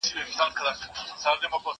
زه به درسونه لوستي وي،